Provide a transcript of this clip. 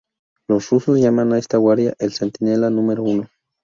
Los rusos llaman a esta guardia, el "Centinela número uno".